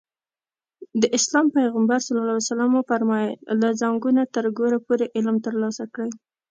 د اسلام پيغمبر ص وفرمايل له زانګو نه تر ګوره پورې علم ترلاسه کړئ.